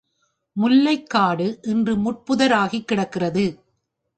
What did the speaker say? முல்லைக்காடு இன்று முட்புதராகிக் கிடக்கிறது!